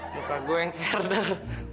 muka gua yang keherder